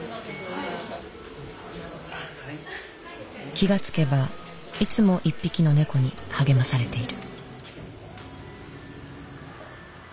気が付けばいつも１匹の猫に励まされている。